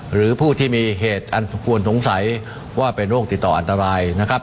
หรือผู้ที่มีเหตุอันสมควรสงสัยว่าเป็นโรคติดต่ออันตรายนะครับ